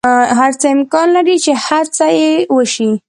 هر څه امکان لری چی هڅه یی وشی